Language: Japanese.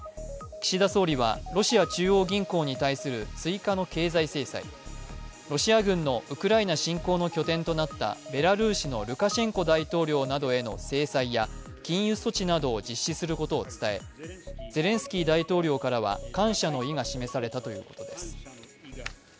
岸田総理はロシア中央銀行に対する追加の経済制裁、ロシア軍のウクライナ侵攻の拠点となったベラルーシのルカシェンコ大統領などへの制裁や禁輸措置などを実施することを伝え、ゼレンスキー大統領からは感謝の意を示されたということです。